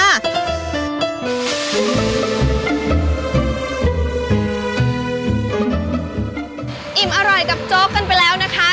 อิ่มอร่อยกับโจ๊กกันไปแล้วนะคะ